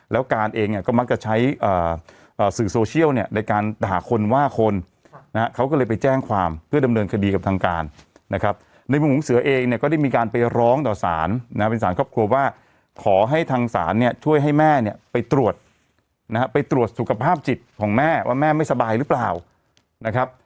แล้วการเองเนี่ยก็มักจะใช้สื่อโซเชียลเนี่ยในการด่าคนว่าคนนะฮะเขาก็เลยไปแจ้งความเพื่อดำเนินคดีกับทางการนะครับในมุมของเสือเองเนี่ยก็ได้มีการไปร้องต่อสารนะเป็นสารครอบครัวว่าขอให้ทางศาลเนี่ยช่วยให้แม่เนี่ยไปตรวจนะฮะไปตรวจสุขภาพจิตของแม่ว่าแม่ไม่สบายหรือเปล่านะครับ